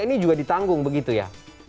ini juga ditanggung begitu ya